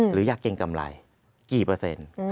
หรืออยากเกรงกำไรกี่เปอร์เซ็นต์